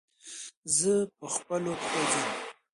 زه به پخپلو پښو ځم.